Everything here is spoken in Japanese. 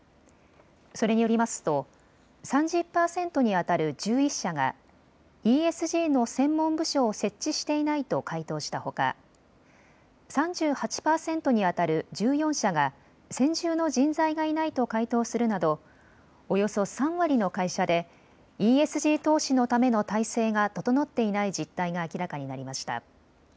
それによりますと３０％にあたる１１社がＥＳＧの専門部署を設置していないと回答したほか３８％にあたる１４社が専従の人材がいないと回答するなどおよそ３割の会社でＥＳＧ投資のための態勢が整っていない実態が明らかになりました。